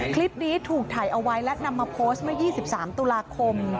คลิปนี้ถูกถ่ายเอาไว้และนำมาโพสต์เมื่อ๒๓ตุลาคม